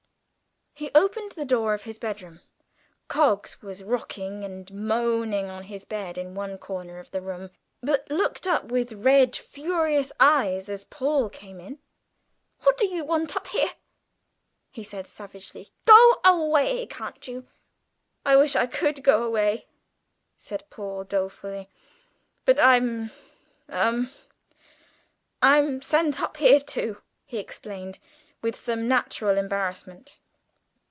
He opened the door of his bedroom. Coggs was rocking and moaning on his bed in one corner of the room, but looked up with red furious eyes as Paul came in. "What do you want up here?" he said savagely. "Go away, can't you!" "I wish I could go away," said Paul dolefully; "but I'm hum I'm sent up here too," he explained, with some natural embarrassment.